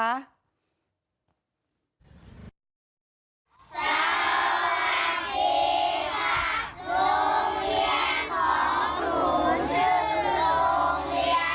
สวัสดีค่ะ